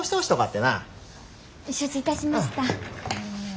承知いたしました。